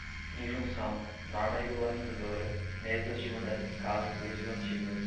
injunção, norma regulamentadora, mesas de uma dessas casas legislativas